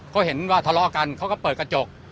เขาเห็นว่าทะเลาะกันเขาก็เปิดกระจก